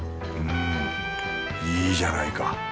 んいいじゃないか。